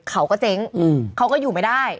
เขาก็เจ๊งเขาก็อยู่ไม่ได้